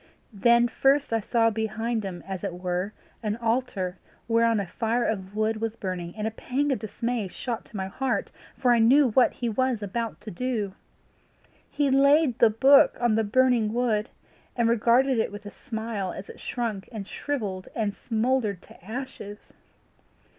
Then first I saw behind him as it were an altar whereon a fire of wood was burning, and a pang of dismay shot to my heart, for I knew what he was about to do. He laid the book on the burning wood, and regarded it with a smile as it shrunk and shrivelled and smouldered to ashes.